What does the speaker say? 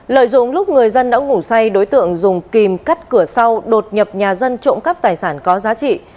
lợi dụng lúc người dân đã ngủ say đối tượng dùng kìm cắt cửa sau đột nhập nhà dân trộm cắp tài sản có giá trị